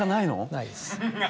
ないです。